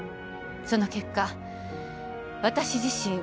その結果私自身